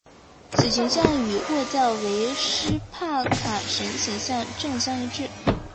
此形象与祆教维施帕卡神形像正相一致。